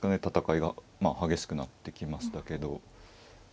戦いが激しくなってきましたけど。